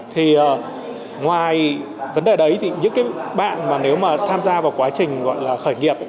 thì ngoài vấn đề đấy thì những cái bạn mà nếu mà tham gia vào quá trình gọi là khởi nghiệp